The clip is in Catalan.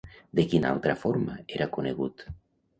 De quina altra forma era conegut?